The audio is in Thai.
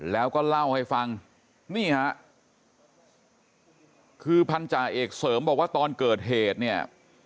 แล้วก็เล่าให้ฟังนี่ฮะคือพันธาเอกเสริมบอกว่าตอนเกิดเหตุเนี่ย